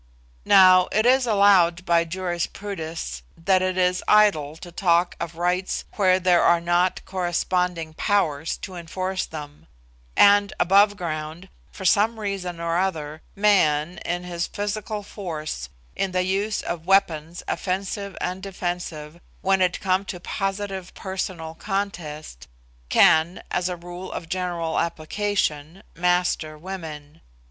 Now, it is allowed by jurisprudists that it is idle to talk of rights where there are not corresponding powers to enforce them; and above ground, for some reason or other, man, in his physical force, in the use of weapons offensive and defensive, when it come to positive personal contest, can, as a rule of general application, master women.